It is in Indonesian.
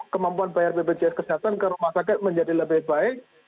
kemampuan bayar bpjs kesehatan ke rumah sakit menjadi lebih baik